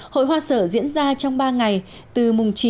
hội hoa sở diễn ra trong ba ngày từ chín một mươi một một mươi hai